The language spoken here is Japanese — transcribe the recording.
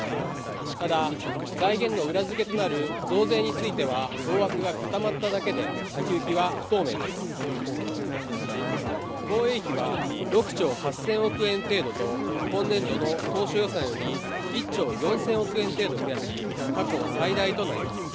ただ財源の裏付けとなる増税については大枠が固まっただけで先行きは不透明です防衛費は６兆８０００億円程度と今年度の当初予算より１兆４０００億円程度増やし過去最大となります